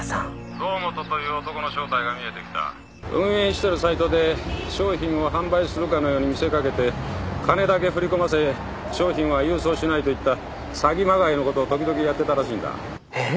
堂本という男の正体が見えてきた運営してるサイトで商品を販売するかのように見せかけて金だけ振り込ませ商品は郵送しないといった詐欺まがいのことを時々やってたらしいんだえっ？